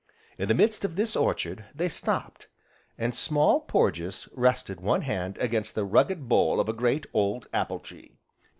In the midst of this orchard they stopped, and Small Porges rested one hand against the rugged bole of a great, old apple tree.